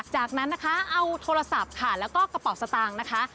จากนั้นนะคะเอาโทรศัพท์ค่ะแล้วก็กระเป๋าสตางค์นะคะ